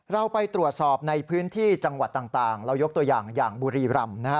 เราไปตรวจสอบในพื้นที่จังหวัดต่างเรายกตัวอย่างอย่างบุรีรำนะฮะ